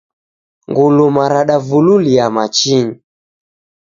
Nguluma radavululia machinyi.